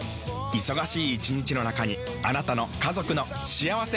忙しい一日の中にあなたの家族の幸せな時間をつくります。